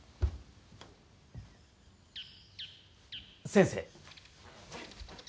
先生。